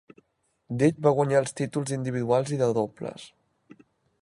Date va guanyar els títols d'individuals i de dobles.